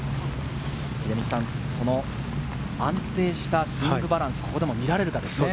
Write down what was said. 秀道さん、安定したスイングバランス、ここでも見られるかですね。